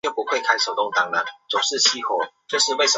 出生于中华民国北京市生。